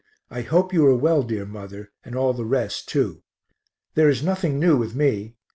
I hope you are well, dear mother, and all the rest too. There is nothing new with me.